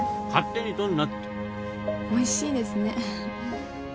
おいしいですね。